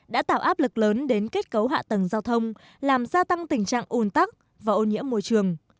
đã tạo áp lực lớn đến kết cấu hạ tầng giao thông làm gia tăng tình trạng ùn tắc và ô nhiễm môi trường